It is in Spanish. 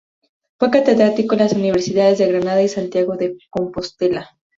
Fue catedrático en las universidades de Granada y Santiago de Compostela.